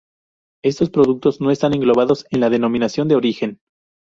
Estos productos no están englobados en la denominación de origen.